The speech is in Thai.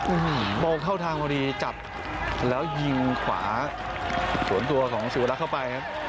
โบเข้าทางพอดีจับแล้วยิงขวาสวนตัวของศิวรักษ์เข้าไปครับ